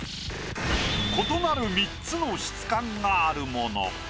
異なる３つの質感があるもの。